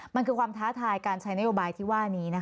มันคือความท้าทายการใช้นโยบายที่ว่านี้